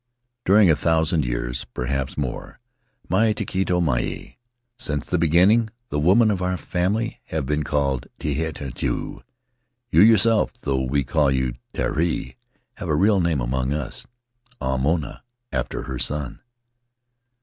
During a thousand years, perhaps more — mai iahito max: since the beginning — the women of our family have been called Tehinatu. You yourself, though we call you Tehari, have a real name among us — Au Moana, after her son.